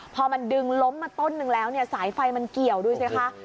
พอมันดึงล้มมาต้นนึงแล้วเนี่ยสายไฟมันเกี่ยวดูสิคะ